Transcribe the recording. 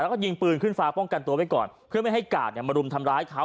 แล้วก็ยิงปืนขึ้นฟ้าป้องกันตัวไว้ก่อนเพื่อไม่ให้กาดเนี่ยมารุมทำร้ายเขา